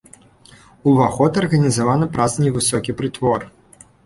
Уваход арганізаваны праз невысокі прытвор.